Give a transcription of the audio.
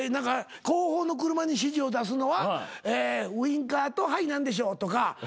「後方の車に指示を出すのはウインカーと何でしょう」とか。